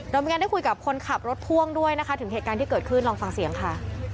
เรามีการได้คุยกับคนขับรถพ่วงด้วยนะคะถึงเหตุการณ์ที่เกิดขึ้นลองฟังเสียงค่ะ